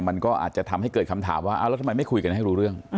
มันก็อาจจะทำให้เกิดคำถามว่าแล้วทำไมไม่คุยกันให้รู้เรื่อง